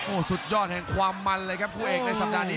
โอ้โหสุดยอดแห่งความมันเลยครับคู่เอกในสัปดาห์นี้